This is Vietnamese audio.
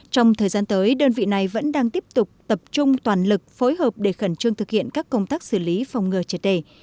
trong thời gian tới đơn vị này vẫn đang tiếp tục tập trung toàn lực phối hợp để khẩn trương thực hiện các công tác xử lý phòng ngừa chết đầy